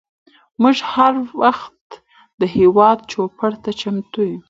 موږ هر وخت د هیواد چوپړ ته چمتو یوو.